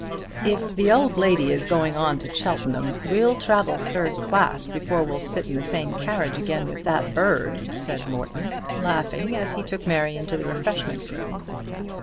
"If the old lady is going on to Cheltenham we'll travel third class before we'll sit in the same carriage again with that bird," said Morton laughing as he took Mary into the refreshment room.